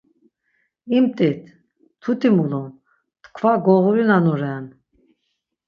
İmt̆it, mtuti mulun, tkva goğurinanoren.